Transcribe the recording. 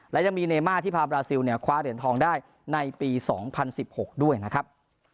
และยังมีเนม่าที่พาบราซิลเนี่ยคว้าเหรียญทองได้ในปี๒๐๑๖ด้วยนะครับ